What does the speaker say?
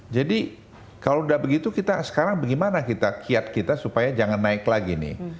jadi kalau udah begitu kita sekarang bagaimana kita kiat kita supaya jangan naik lagi nih